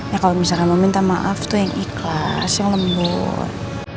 ya kalau misalkan mau minta maaf tuh yang ikhlas yang lembut